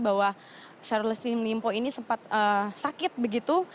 bahwa syahrul yassin limpo ini sempat sakit begitu